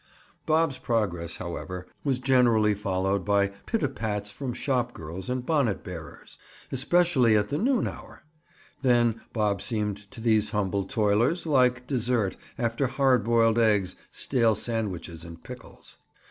Bob's progress, however, was generally followed by pit a pats from shop girls and bonnet bearers. Especially at the noon hour! Then Bob seemed to these humble toilers, like dessert, after hard boiled eggs, stale sandwiches and pickles.